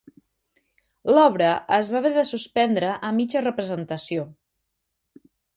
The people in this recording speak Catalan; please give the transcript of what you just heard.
L'obra es va haver de suspendre a mitja representació.